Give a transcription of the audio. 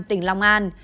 tỉnh long an